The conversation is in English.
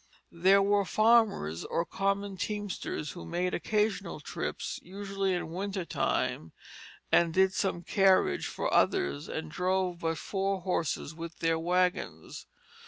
They were farmers or common teamsters who made occasional trips, usually in winter time, and did some carriage for others, and drove but four horses with their wagons.